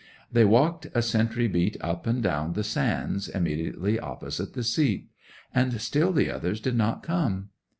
'They walked a sentry beat up and down the sands immediately opposite the seat; and still the others did not come.